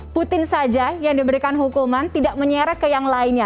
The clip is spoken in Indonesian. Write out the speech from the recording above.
putin saja yang diberikan hukuman tidak menyeret ke yang lainnya